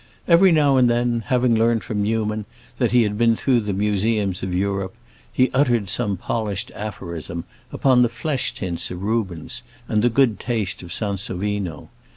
Every now and then, having learned from Newman that he had been through the museums of Europe, he uttered some polished aphorism upon the flesh tints of Rubens and the good taste of Sansovino.